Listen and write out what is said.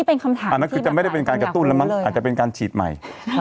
เป็นคำถามอันนั้นคือจะไม่ได้เป็นการกระตุ้นแล้วมั้งอาจจะเป็นการฉีดใหม่